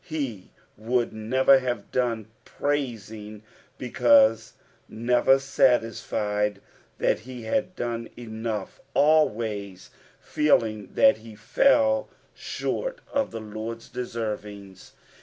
He would never have done praising, because never satisfied that he had done enough ; always feeling that he fell «hort of the Lord's deaervings.